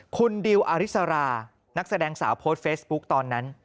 คุณดิวอาริสรานักแสดงสาวโพสต์เฟซบุ๊กตอนนั้น